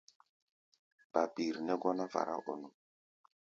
Babir nɛ́ gɔ́ná fará-ɔ-nu.